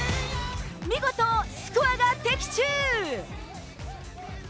見事、スコアが的中。